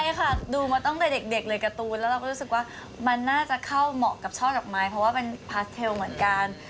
ใช่ค่ะดูมาตั้งแต่เด็กเลยการ์ตูนแล้วเราก็รู้สึกว่ามันน่าจะเข้าเหมาะกับช่อดอกไม้เพราะว่าเป็นพาสเทลเหมือนกัน